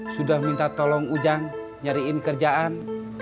sudah minta tolong ujang nyariin kerjaan